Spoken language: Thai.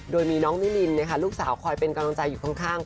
โดยมีน้องนิรินลูกสาวคอยเป็นกำลังใจอยู่ข้าง